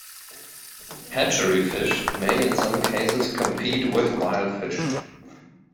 Hatchery fish may in some cases compete with wild fish.